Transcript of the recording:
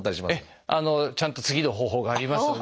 ちゃんと次の方法がありますので。